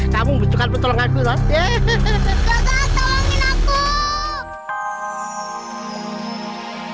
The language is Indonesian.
kamu butuhkan pertolonganku kan